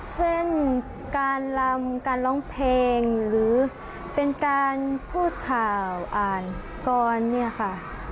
เช่นการลำการร้องเพลงหรือเป็นการพูดข่าวอ่านกรเนี่ยค่ะ